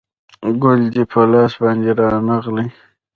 ګل دې په لاس باندې رانغلی